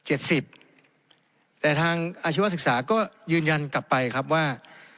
แต่ทางอาชีวศึกษาก็ยืนยันกลับไปครับว่า